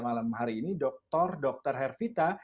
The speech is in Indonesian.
malam hari ini dokter dr hervita